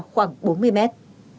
khoảng bốn mươi mét